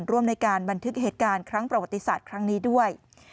ร่วมในการบันทึกเหตุการณ์ครั้งประวัติศาสตร์ครั้งนี้ด้วย